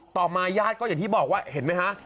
ต่อมาญาติก็อย่างที่บอกว่าเห็นไหมฮะ